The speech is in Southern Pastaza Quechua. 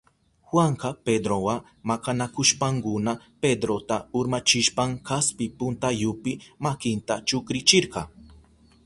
Juanka Pedrowa makanakushpankuna Pedrota urmachishpan kaspi puntayupi makinta chukrichirka.